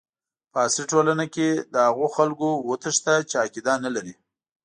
په عصري ټولنه کې له هغو خلکو وتښته چې عقیده نه لري.